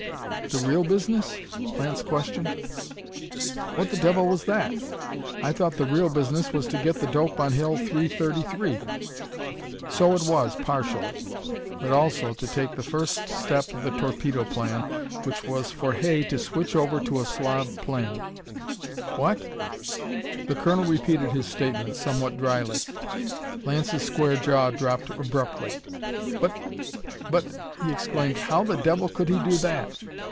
"The real business?" Lance questioned. "What the devil was that? I thought the real business was to get the dope on Hill 333." "So it was partially. But also to take the first step of the Torpedo Plan, which was for Hay to switch over to a Slav plane." "What?" The colonel repeated his statement, somewhat dryly. Lance's square jaw dropped abruptly. "But but " he exclaimed, "how the devil could he do that?"